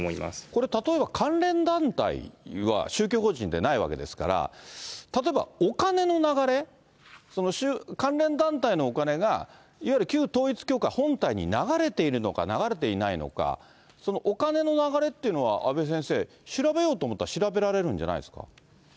これ例えば、関連団体は宗教法人でないわけですから、例えばお金の流れ、関連団体のお金がいわゆる旧統一教会本体に流れているのか、流れていないのか、そのお金の流れというのは、阿部先生、調べようと思ったら調べられるんじゃないんですか。